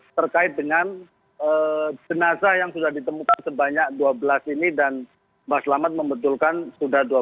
terkait dengan jenazah yang sudah ditemukan sebanyak dua belas ini dan mbak selamat membetulkan sudah dua belas